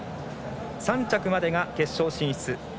３着までが決勝進出。